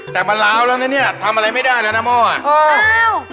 แต่มันร้าวแล้วนะนี่ทำอะไรไม่ได้แล้วนะหม้ออ่ะโอ๊ยอ้าว